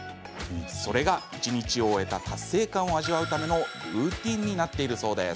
それが一日を終えた達成感を味わうためのルーティンになっているそうです。